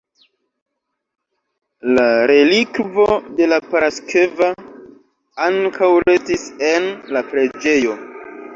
La relikvo de Paraskeva ankaŭ restis en la preĝejo.